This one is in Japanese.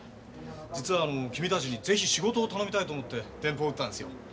実はあの君たちにぜひ仕事を頼みたいと思って電報を打ったんですよ。